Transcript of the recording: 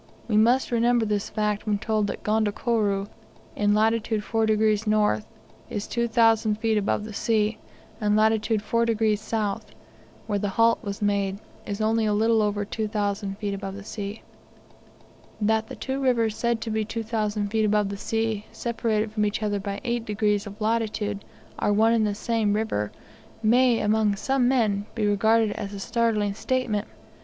We must remember this fact when told that Gondokoro, in lat. 4 degrees N., is 2,000 feet above the sea, and lat. 4 degrees S., where the halt was made, is only a little over 2,000 feet above the sea. That the two rivers said to be 2,000 feet above the sea, separated from each other by 8 degrees of latitude, are one and the same river, may among some men be regarded as a startling statement.